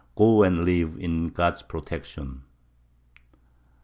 Go and live, in God's protection!"